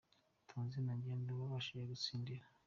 Tonzi nta gihembo babashije gutsindira